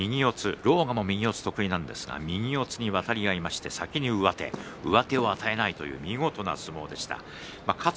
狼雅も右四つ得意なんですが渡り合いまして先に相手に上手を与えないという見事な相撲。